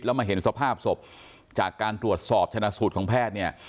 แล้วมาเห็นสภาพศพจากการตรวจสอบชนะสูตรของแพทย์เนี่ย